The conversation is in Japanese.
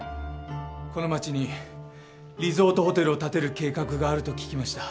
この町にリゾートホテルを建てる計画があると聞きました